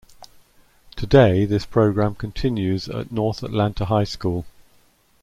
Today this program continues at North Atlanta High School.